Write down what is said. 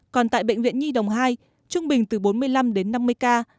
còn tại bệnh viện nhi đồng hai trung bình từ bốn mươi năm đến năm mươi ca